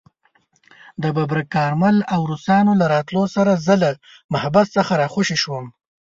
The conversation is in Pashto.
د ببرک کارمل او روسانو له راتلو سره زه له محبس څخه راخوشي شوم.